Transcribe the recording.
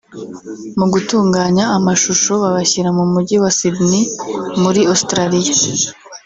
mu gutunganya amashusho babashyira mu mujyi wa Sydney muri Australia